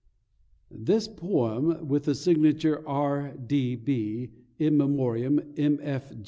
This poem, with the signature "R. D. B. in memoriam M.